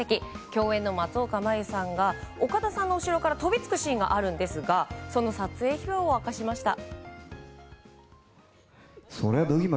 共演の松岡茉優さんが岡田さんの後ろから飛びつくシーンがあるんですがその撮影秘話を明かしました。